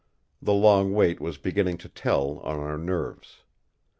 The long wait was beginning to tell on our nerves.